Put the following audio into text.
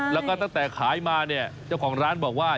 แล้วก็ตั้งแต่ขายมาเนี่ยเจ้าของร้านบอกว่า